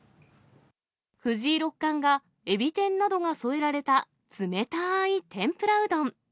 藤井六冠がエビ天などが添えられた冷たーい天ぷらうどん。